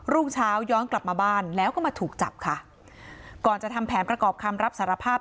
รุ่งเช้าย้อนกลับมาบ้านแล้วก็มาถูกจับค่ะก่อนจะทำแผนประกอบคำรับสารภาพ